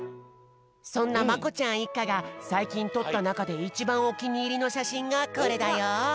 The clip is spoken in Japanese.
そんなまこちゃんいっかがさいきんとったなかでいちばんおきにいりのしゃしんがこれだよ。